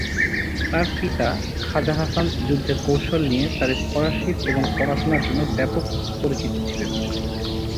তার পিতা খাজা হাসান যুদ্ধের কৌশল নিয়ে তাঁর স্কলারশিপ এবং পড়াশুনার জন্য ব্যাপক পরিচিত ছিলেন।